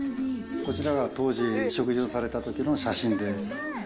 こちらが当時、食事をされたときの写真です。